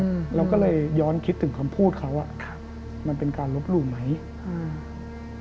อืมเราก็เลยย้อนคิดถึงคำพูดเขาอ่ะครับมันเป็นการลบหลู่ไหมอืม